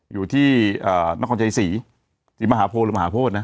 อยู่ที่นครชัยศรีศรีมหาโพหรือมหาโพธินะ